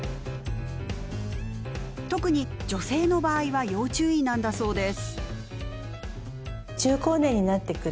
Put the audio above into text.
特に女性の場合は要注意なんだそうです。